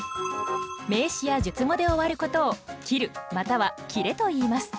名詞や述語で終わることを「切る」または「切れ」といいます。